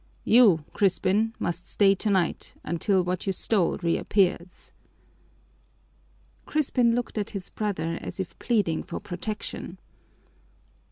"You, Crispin, must stay tonight, until what you stole reappears." Crispin looked at his brother as if pleading for protection.